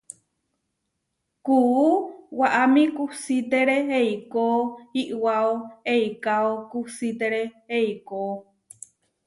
Kuú waʼámi kusítere eikó iʼwáo eikáo kusítere eikó.